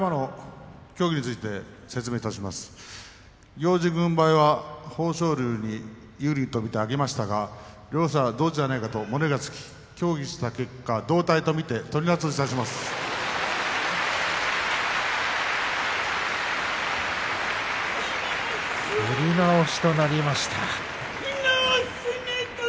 行司軍配は豊昇龍に有利と見て上げましたが両者同時ではないかと物言いがつき、協議した結果同体と見て取り直しとなりました。